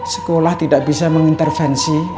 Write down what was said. sekolah tidak bisa mengintervensi